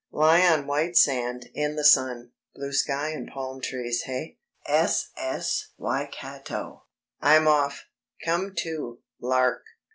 Lie on white sand, in the sun ... blue sky and palm trees eh?... S.S. Waikato. I'm off.... Come too ... lark